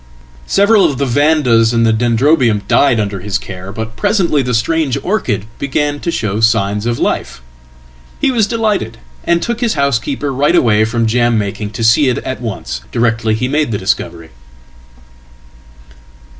Several of the Vandas and the Dendrobium died under his care, butpresently the strange orchid began to show signs of life. He wasdelighted, and took his housekeeper right away from jam making to see itat once, directly he made the discovery."